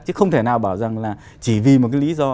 chứ không thể nào bảo rằng là chỉ vì một cái lý do